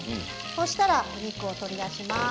そうしたらお肉を取り出します。